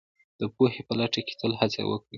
د پوهې په لټه کې تل هڅه وکړئ